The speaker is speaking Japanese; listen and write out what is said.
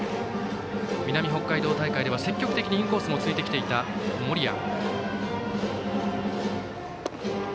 南北海道大会では積極的にインコースも突いてきていた森谷。